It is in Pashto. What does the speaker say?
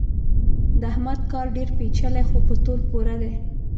د احمد کار ډېر پېچلی خو په تول پوره دی.